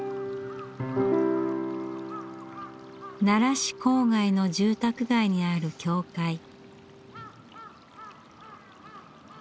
奈良市郊外の住宅街にある教会。